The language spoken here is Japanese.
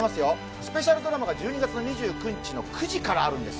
スペシャルドラマが１２月２９日の９時からあるんです。